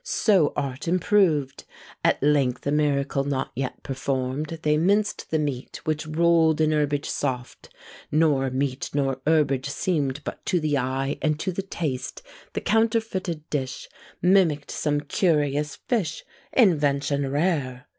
So art improved! At length a miracle not yet perform'd, They minced the meat, which roll'd in herbage soft, Nor meat nor herbage seem'd, but to the eye, And to the taste, the counterfeited dish Mimick'd some curious fish; invention rare!